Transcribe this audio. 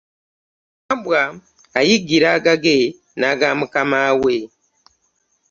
Wambwa ayiggira agage n'agamukama we .